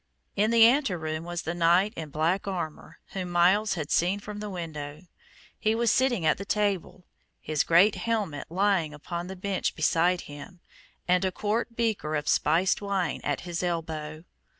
In the anteroom was the knight in black armor whom Myles had seen from the window. He was sitting at the table, his great helmet lying upon the bench beside him, and a quart beaker of spiced wine at his elbow.